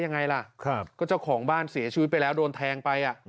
ยังไงล่ะก็เจ้าของบ้านเสียชีวิตไปแล้วโดนแทงไป